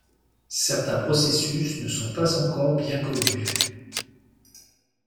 Certains processus ne sont pas encore bien connus.